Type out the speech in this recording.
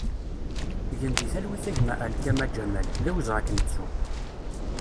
Gen di talwit a gma Alkama Ǧamal, d awezɣi ad k-nettu!